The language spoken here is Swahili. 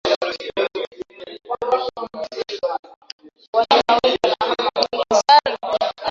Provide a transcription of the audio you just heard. ziara hoteli kila kitu kinapatikana kwa wingi kuaminika